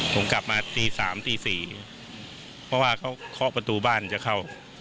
ผมกลับมาตี๓๔ว่าเขาคลอกประตูบ้านจะเข้า